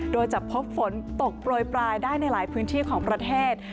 โดยจะพบฝนตกโปรยปลายได้ในหลายพื้นที่ของประเทศ